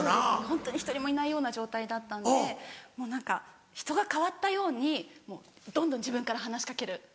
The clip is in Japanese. ホントに１人もいないような状態だったのでもう何か人が変わったようにどんどん自分から話し掛ける。